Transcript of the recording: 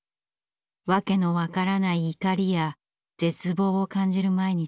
訳の分からない怒りや絶望を感じる毎日。